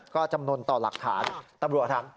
ก็จำนวนต่อหลักฐานตำรวจถาม